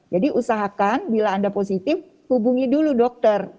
jadi usahakan bila anda positif hubungi dulu dokter